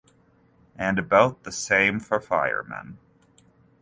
And about the same for Firemen.